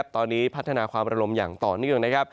ตอนนี้พัฒนาความระลมอย่างต่อนิ่ง